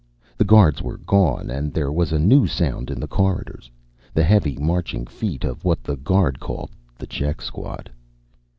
The guards were gone, and there was a new sound in the corridors: the heavy marching feet of what the guard called the check squad.